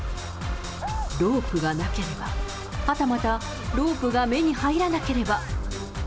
ロープがなければ、はたまたロープが目に入らなければ。